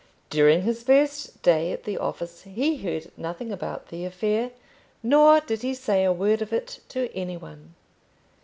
During his first day at the office he heard nothing about the affair, nor did he say a word of it to any one.